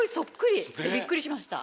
びっくりしました。